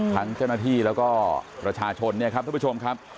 ทั้งเจ้าหน้าที่แล้วก็ประชาชนเนี่ยครับทุกผู้ชมครับ